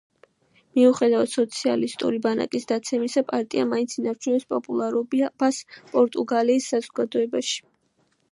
მიუხედავად სოციალისტური ბანაკის დაცემისა, პარტია მაინც ინარჩუნებს პოპულარობას პორტუგალიის საზოგადოებაში.